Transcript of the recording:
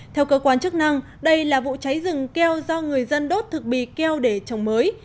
theo cơ quan chức năng đây là vụ cháy rừng keo do người dân đốt thực bì keo để trồng mới